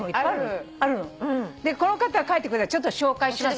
この方が書いてくれたのちょっと紹介しますね。